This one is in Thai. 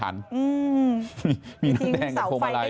ทิ้งเสาไฟใกล้มีน้ำแทัลกับโคนมะรัย